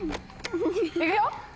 いくよ？